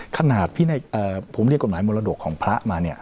ขนาดที่ในเอ่อผมเรียกกฎหมายมิระโดรกของพระมาเนี่ย